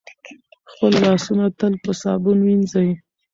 خپل لاسونه تل په صابون وینځئ.